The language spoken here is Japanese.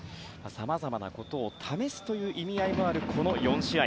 さまざまなことを試すという意味合いもある４試合。